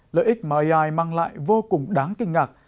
lợi ích mà ai mang lại vô cùng đáng kinh ngạc